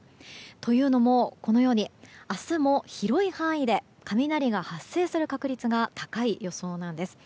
というのもこのように明日も広い範囲で雷が発生する確率が高い予想なんです。